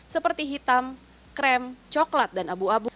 seperti hitam krem coklat dan abu abu